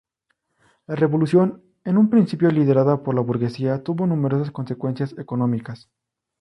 La Revolución, en un principio liderada por la burguesía, tuvo numerosas consecuencias económicas.